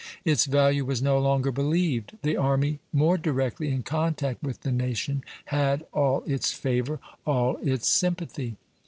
Its value was no longer believed. The army, more directly in contact with the nation, had all its favor, all its sympathy.